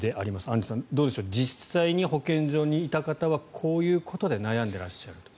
アンジュさん、どうでしょう実際に保健所にいた方はこういうことで悩んでいらっしゃると。